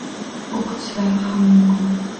O`qitishlari ham mumkin